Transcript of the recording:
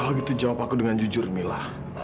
oh gitu jawab aku dengan jujur mila